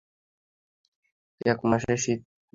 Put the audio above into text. এক মাঘে শীত নাহি যায়।